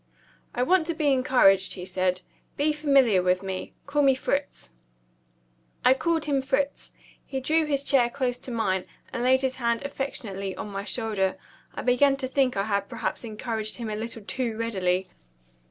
"I want to be encouraged," he said. "Be familiar with me. Call me Fritz." I called him "Fritz." He drew his chair close to mine, and laid his hand affectionately on my shoulder. I began to think I had perhaps encouraged him a little too readily.